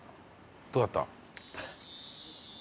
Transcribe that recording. どうだった？